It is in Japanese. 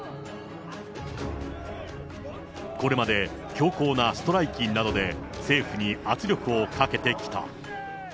これまで強硬なストライキなどで、政府に圧力をかけてきた。